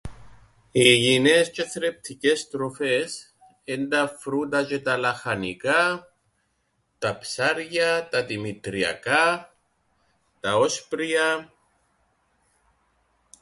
Υγιεινές τζ̆αι θρεπτικές τροφές εν' τα φρούτα τζ̆αι τα λαχανικά,, τα ψάρια, τα δημητριακά, τα όσπρια.